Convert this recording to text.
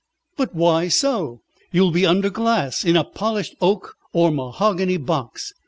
"But why so? You will be under glass, in a polished oak or mahogany box."